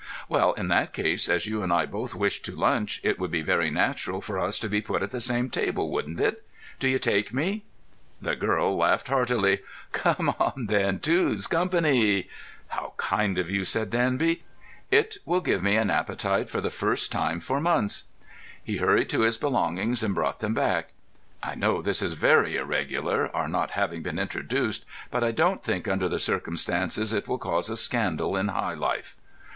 "Well, in that case, as you and I both wish to lunch, it would be very natural for us to be put at the same table, wouldn't it? Do you take me?" The girl laughed heartily. "Come on, then. Two's company." "How kind you are!" said Danby. "It will give me an appetite for the first time for months." He hurried to his belongings and brought them back. "I know this is very irregular, our not having been introduced, but I don't think under the circumstances it will cause a scandal in high life."